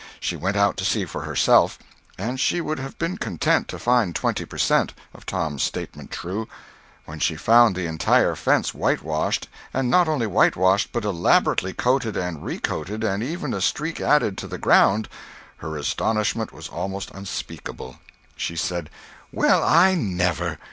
She went out to see for herself; and she would have been content to find twenty per cent. of Tom's statement true. When she found the entire fence white washed, and not only whitewashed but elaborately coated and recoated, and even a streak added to the ground, her astonishment was almost unspeakable. She said: "Well, I never!